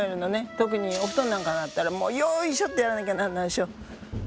特にお布団なんかだったらよいしょってやらなきゃなんないでしょ。